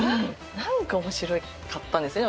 何か面白かったんですね